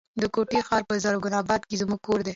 د کوټي ښار په زرغون آباد کي زموږ کور دی.